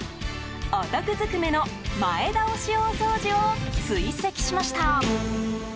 お得ずくめの前倒し大掃除を追跡しました。